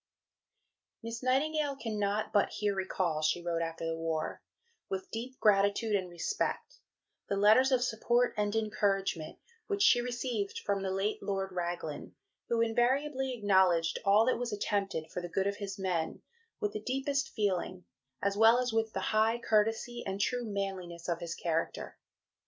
"Miss Nightingale cannot but here recall," she wrote after the war, "with deep gratitude and respect, the letters of support and encouragement which she received from the late Lord Raglan, who invariably acknowledged all that was attempted, for the good of his men, with the deepest feeling, as well as with the high courtesy and true manliness of his character.